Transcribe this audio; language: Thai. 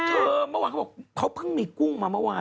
เมื่อวานเขาบอกเขาเพิ่งมีกุ้งมาเมื่อวาน